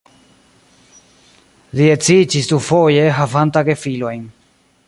Li edziĝis dufoje havanta gefilojn.